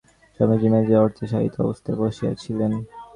স্বামীজী মেজেতে অর্ধ-শায়িত অবস্থায় বসিয়াছিলেন।